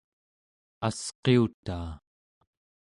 asqiutaa